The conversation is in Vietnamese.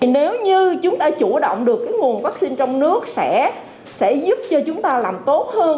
nếu như chúng ta chủ động được nguồn vaccine trong nước sẽ giúp cho chúng ta làm tốt hơn